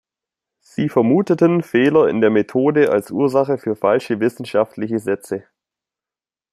Sie vermuteten Fehler in der Methode als Ursache für falsche wissenschaftliche Sätze.